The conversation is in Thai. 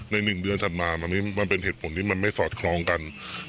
ในหนึ่งเดือนถัดมามันเป็นเหตุผลที่มันไม่สอดคลองกัน